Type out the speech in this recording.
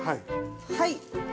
◆はい。